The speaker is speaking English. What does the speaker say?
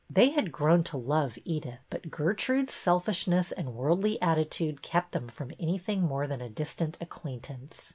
They had grown to love Edyth, but Gertrude's selfishness and worldly attitude kept them from anything more than a distant acquaintance.